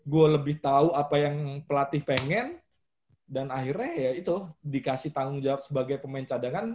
gue lebih tahu apa yang pelatih pengen dan akhirnya ya itu dikasih tanggung jawab sebagai pemain cadangan